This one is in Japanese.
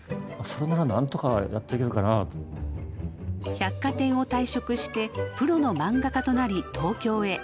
百貨店を退職してプロの漫画家となり東京へ。